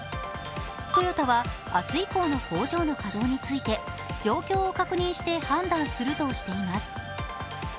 トヨタは明日以降の工場の稼働について状況を確認して判断するとしています。